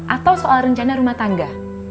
atau soal rencana rumah tangga